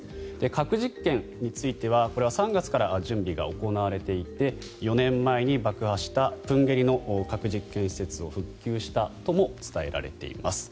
核実験については３月から準備が行われていて４年前に爆破した豊渓里の核実験施設を復旧したとも伝えられています。